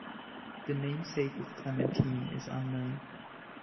The namesake of Clementine is unknown.